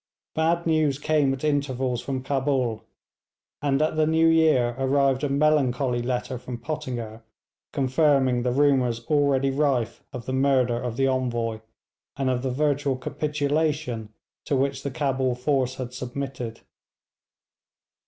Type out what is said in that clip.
Bad news came at intervals from Cabul, and at the new year arrived a melancholy letter from Pottinger, confirming the rumours already rife of the murder of the Envoy, and of the virtual capitulation to which the Cabul force had submitted.